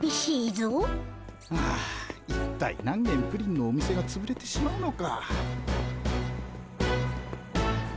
ああ一体何げんプリンのお店がつぶれてしまうのか。